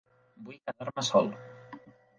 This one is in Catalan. Vull quedar-me sol.